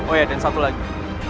oh ya dan satu lagi